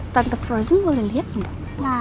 tante frozen boleh liat gak